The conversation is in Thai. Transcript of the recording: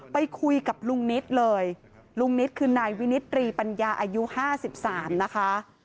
ไปคุยกับลุงนิดเลยลุงนิดคือนายวินิตรีปัญญาอายุ๕๓นะคะ